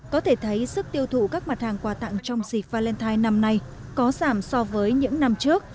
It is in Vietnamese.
có thể thấy sức tiêu thụ các mặt hàng quà tặng trong dịch valentine năm nay có giảm so với những năm trước